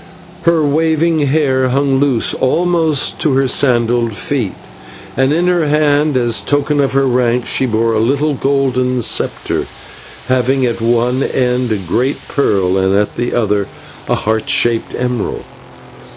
Her waving hair hung loose almost to her sandalled feet, and in her hand, as a token of her rank, she bore a little golden sceptre, having at one end a great pearl, and at the other a heart shaped emerald.